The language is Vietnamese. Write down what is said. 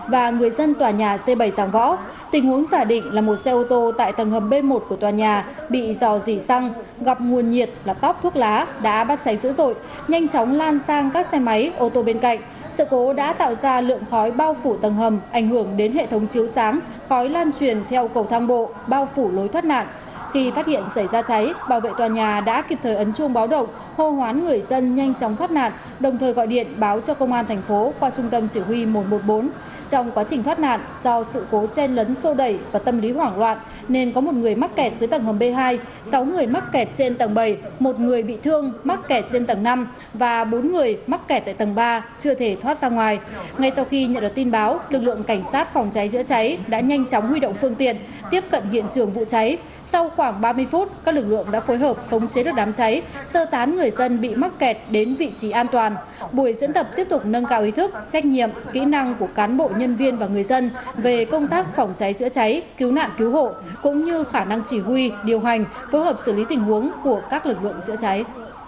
vẫn tập tiếp tục nâng cao ý thức trách nhiệm kỹ năng của cán bộ nhân viên và người dân về công tác phòng cháy chữa cháy cứu nạn cứu hộ cũng như khả năng chỉ huy điều hành phối hợp xử lý tình huống của các lực lượng chữa cháy